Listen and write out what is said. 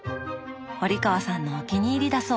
堀川さんのお気に入りだそう。